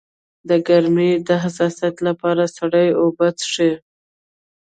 د ګرمۍ د حساسیت لپاره سړې اوبه وڅښئ